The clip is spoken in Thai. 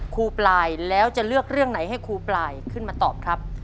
ครูปลายแล้วจะเลือกเรื่องไหนให้ครูปลายขึ้นมาตอบครับ